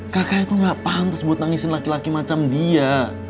kakak itu gak pantas buat nangisin laki laki macam dia